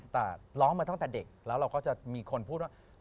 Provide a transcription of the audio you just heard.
แต่ร้องมาตั้งแต่เด็กแล้วเราก็จะมีคนพูดว่า